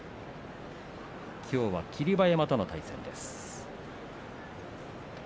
きょうは霧馬山との対戦です。